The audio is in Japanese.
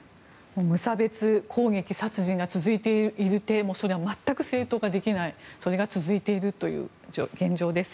無差別攻撃殺人が続いていて全く正当化できないそれが続いているという現状です。